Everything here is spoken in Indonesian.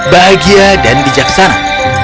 bahagia dan bijaksana